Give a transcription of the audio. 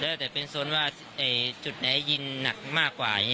แล้วแต่เป็นโซนว่าจุดไหนยิ่งหนักมากกว่า